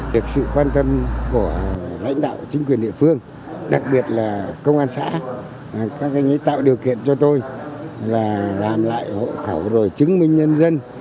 được sự quan tâm của lãnh đạo chính quyền địa phương đặc biệt là công an xã tạo điều kiện cho tôi là làm lại hộ khẩu rồi chứng minh nhân dân